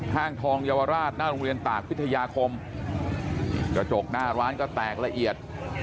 ห้างทองเยาวราชหน้าโรงเรียนตากพิทยาคมกระจกหน้าร้านก็แตกละเอียด